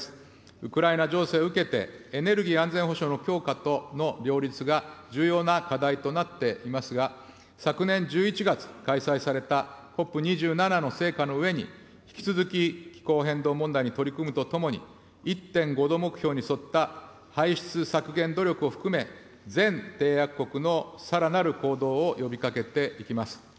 ウクライナ情勢を受けて、エネルギー安全保障の強化との両立が重要な課題となっていますが、昨年１１月開催されたＣＯＰ２７の成果のうえに、引き続き気候変動問題に取り組むとともに、１．５度目標に沿った排出削減努力を含め、全締約国のさらなる行動を呼びかけていきます。